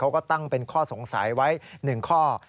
เขาก็ตั้งเป็นข้อสงสัยไว้๑ข้อ